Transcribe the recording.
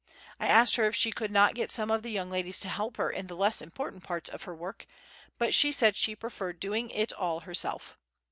I asked her if she could not get some of the young ladies to help her in the less important parts of her work, but she said she preferred doing it all herself.